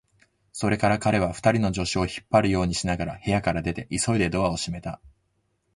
それから彼は、二人の助手を引っ張るようにしながら部屋から出て、急いでドアを閉めた。